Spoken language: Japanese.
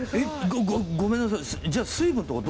ごごごめんなさい。